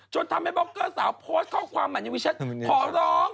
จนทำให้บอกเก้าสาวโพสต์ข้อความมันนิเวชัน